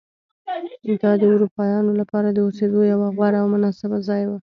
دا د اروپایانو لپاره د اوسېدو یو غوره او مناسب ځای و.